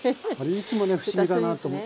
いつもね不思議だなと思って。